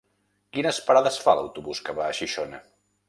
Quines parades fa l'autobús que va a Xixona?